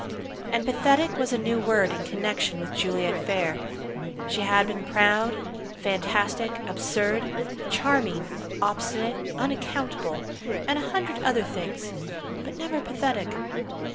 And "pathetic" was a new word in connection with Juliet Phayre! She had been proud, fantastic, absurd, charming, obstinate, unaccountable, and a hundred other things, but never pathetic.